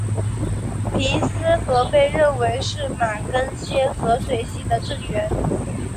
皮斯河被认为是马更些河水系的正源。